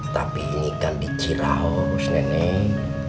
tapi ini kan di ciraos neneng